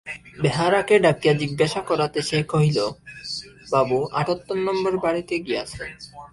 বেহারাকে ডাকিয়া জিজ্ঞাসা করাতে সে কহিল, বাবু আটাত্তর নম্বর বাড়িতে গিয়াছেন।